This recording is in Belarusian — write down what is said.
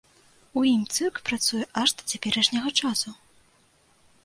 У ім цырк працуе аж да цяперашняга часу.